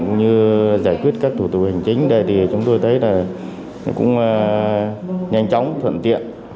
như giải quyết các thủ tục hành chính này thì chúng tôi thấy là cũng nhanh chóng thuận tiện